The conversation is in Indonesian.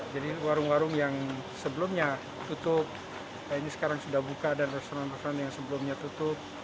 jadi warung warung yang sebelumnya tutup ini sekarang sudah buka dan restoran restoran yang sebelumnya tutup